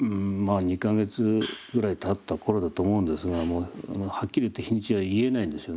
あ２か月ぐらいたった頃だと思うんですがもうはっきり言って日にちは言えないんですよね。